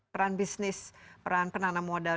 peran bisnis peran penanam modal